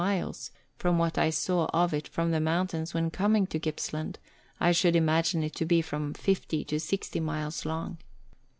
miles, and from what I saw of it from the mountains when coming to Gippslancl, I should imagine it to be from fifty to sixty miles long.